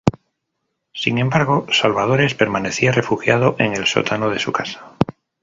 Sin embargo Salvadores permanecía refugiado en el sótano de su casa.